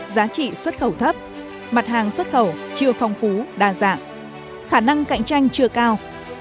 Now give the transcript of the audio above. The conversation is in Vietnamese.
giá trị xuất khẩu thấp mặt hàng xuất khẩu chưa phong phú đa dạng khả năng cạnh tranh chưa cao